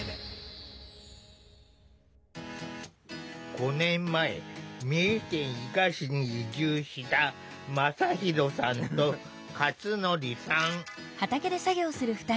５年前三重県伊賀市に移住したまさひろさんとかつのりさん。